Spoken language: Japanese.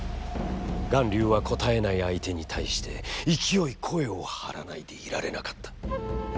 巌流は、答えない相手に対して、勢い声を張らないで居られなかった。